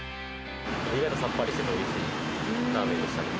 意外とさっぱりしてて、おいしいラーメンでした。